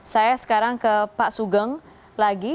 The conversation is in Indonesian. saya sekarang ke pak sugeng lagi